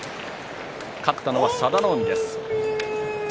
勝ったのは佐田の海です。